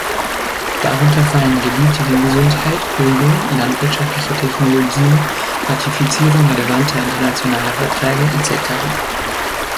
Darunter fallen Gebiete wie Gesundheit, Bildung, landwirtschaftliche Technologien, Ratifizierung relevanter internationaler Verträge etc.